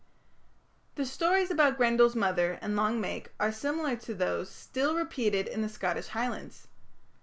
The stories about Grendel's mother and Long Meg are similar to those still repeated in the Scottish Highlands.